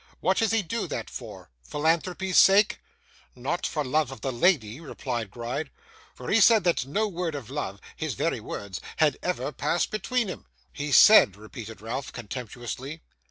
What does he do that for? Philanthropy's sake?' 'Not for love of the lady,' replied Gride, 'for he said that no word of love his very words had ever passed between 'em.' 'He said!' repeated Ralph, contemptuously.